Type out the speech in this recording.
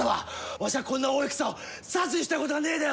わしゃこんな大戦を指図したことがねえでよ！